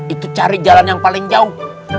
itu cari jalan yang paling jauh